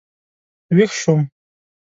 وېښ شوم.